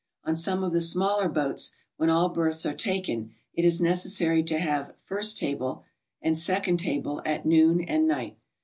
On some of the smaller boats, when all berths are taken, it is necessary to have "first table" and second table" at noon and night.